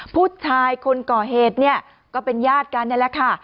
ผู้ชายคนก่อเหตุเนี่ยก็เป็นญาติกันนี่แหละค่ะ